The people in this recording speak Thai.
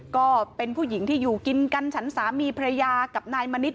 ก็เป็นผู้หญิงที่อยู่กินกันฉันสามีภรรยากับนายมณิช